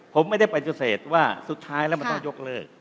ผมไม่ได้ปฏิเสธว่าสุดท้ายแล้วมันต้องยกเลิก